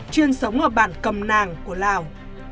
chuyên sống ở bản cầm nàng của lào